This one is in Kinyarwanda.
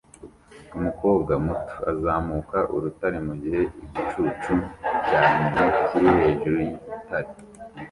Umukobwa muto azamuka urutare mugihe igicucu cya nyina kiri hejuru yigitare